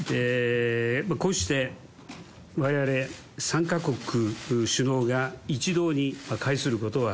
こうしてわれわれ３か国首脳が一堂に会することは、